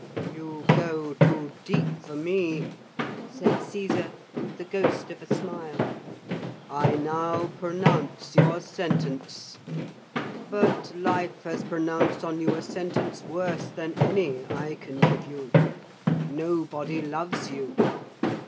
'You go too deep for me,' said Caesar, with the ghost of a smile. 'I now pronounce your sentence. But life has pronounced on you a sentence worse than any I can give you. Nobody loves you.'